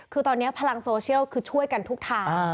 คือตอนนี้พลังโซเชียลคือช่วยกันทุกทาง